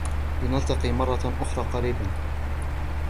لنلتقي مرة أخرى قريباً.